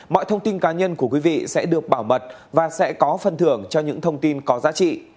mọi thông tin cá nhân của quý vị sẽ được bảo mật và sẽ có phần thưởng cho những thông tin có giá trị